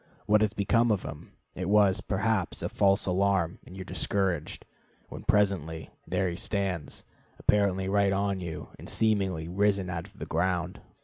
What has become of him? It was, perhaps, a false alarm, and you are discouraged; when, presently, there he stands, apparently right on you, and seemingly risen out of the ground.